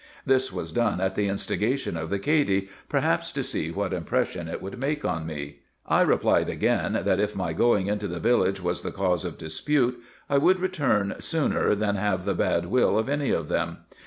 This was done at the instigation of the Cady, perhaps to see what impression it would make on me. I replied again, that if my going into the village was the cause of dispute, I would return, sooner than have the bad will of any of them.